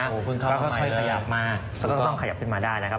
แล้วก็ค่อยสยาบมาก็ต้องขยับขึ้นมาได้นะครับ